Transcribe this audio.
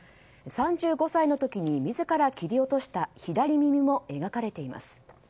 ３５歳の時に自ら切り落とした左耳も描かれています。